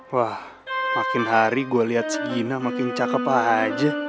wah makin hari gue liat si gina makin cakep aja